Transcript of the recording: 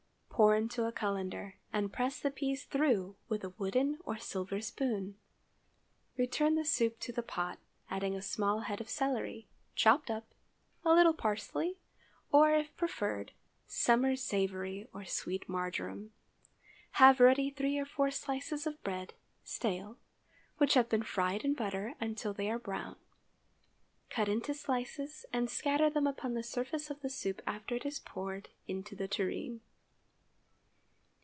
Pour into a cullender, and press the peas through it with a wooden or silver spoon. Return the soup to the pot, adding a small head of celery, chopped up, a little parsley, or, if preferred, summer savory or sweet marjoram. Have ready three or four slices of bread (stale) which have been fried in butter until they are brown; cut into slices and scatter them upon the surface of the soup after it is poured into the tureen.